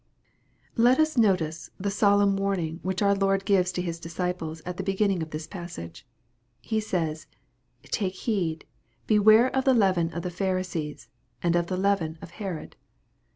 LET us notice the solemn learning which our Lord gives to His disciples at the beginning of this passage. HQ says, " Take heed, beware of the leaven of the Pharisees, and of the leaven of Herod."